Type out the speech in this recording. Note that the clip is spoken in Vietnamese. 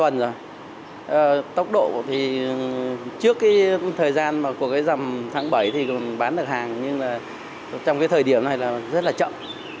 nhưng trong thời điểm này rất là chậm